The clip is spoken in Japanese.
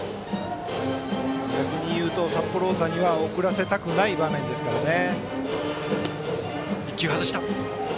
逆に言うと札幌大谷は送らせたくない場面ですからね。